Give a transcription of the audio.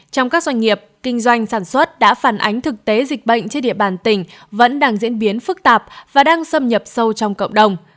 trong các doanh nghiệp kinh doanh sản xuất đã phản ánh thực tế dịch bệnh trên địa bàn tỉnh vẫn đang diễn biến phức tạp và đang xâm nhập sâu trong cộng đồng